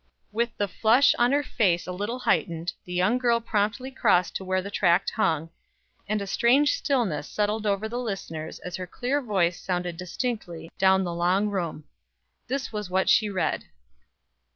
With the flush on her face a little hightened, the young girl promptly crossed to where the tract hung; and a strange stillness settled over the listeners as her clear voice sounded distinctly down the long room. This was what she read.